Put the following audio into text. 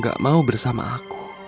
gak mau bersama aku